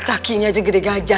kakinya aja gede gajah